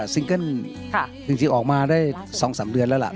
ซิงเกิ้ลจริงออกมาได้๒๓เดือนแล้วล่ะ